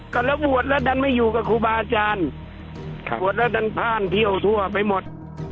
ก็แล้วบวชแล้วดันไม่อยู่กับครูบาอาจารย์บวชแล้วดันพ่านเที่ยวทั่วไปหมด